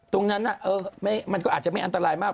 ตรงนั้นมันก็อาจจะไม่อันตรายมาก